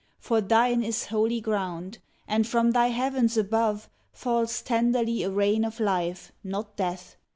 For thine is holy ground, And from thy heavens above Falls tenderly a rain of life, not death.